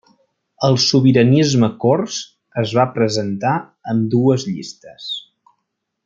El sobiranisme cors es va presentar amb dues llistes.